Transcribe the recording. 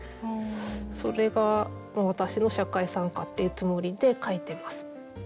それが私の社会参加っていうつもりで書いてます。